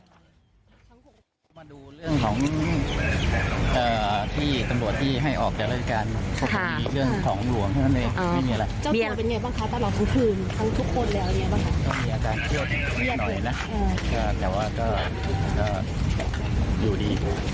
อยู่ดีค่ะทั้งหกคนยังปฏิเสธหรือว่ายอมประภาลาภูมิ